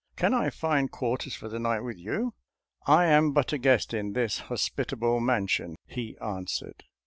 Can I find quarters for the night with you.? "" I am but a guest at this hospitable man sion," he answered.